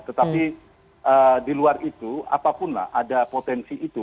tetapi di luar itu apapun lah ada potensi itu